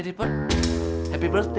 jadi ipan happy birthday